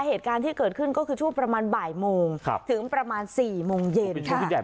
เหตุการณ์ที่เกิดขึ้นก็คือช่วงประมาณบ่ายโมงถึงประมาณ๔โมงเย็น